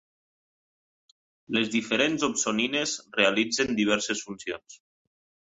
Les diferents opsonines realitzen diverses funcions.